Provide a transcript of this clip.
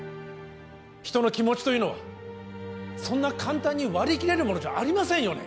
人の気持ちというのは、そんな簡単に割り切れるものじゃありませんよね。